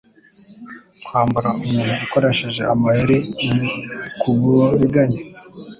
Kwambura umuntu ukoresheje amayeri nikumuriganya